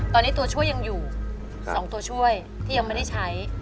ตอนนี้ตัวช่วยยังอยู่๒ตัวช่วยที่ยังไม่ได้ใช้